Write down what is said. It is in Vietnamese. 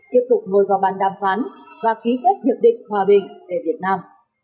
tiếp tục ngồi vào bàn đàm phán và ký kết hiệp định hòa bình tại việt nam